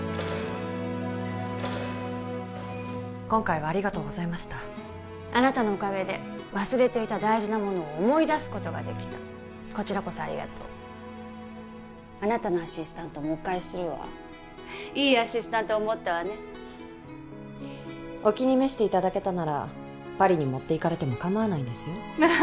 今回はありがとうございましたあなたのおかげで忘れていた大事なものを思い出すことができたこちらこそありがとうあなたのアシスタントもお返しするわいいアシスタントを持ったわねお気に召していただけたならパリに持っていかれても構わないんですよ